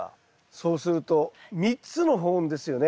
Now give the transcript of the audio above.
そうすると３つの保温ですよね。